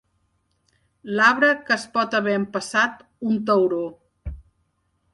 L'arbre que es pot haver empassat un tauró.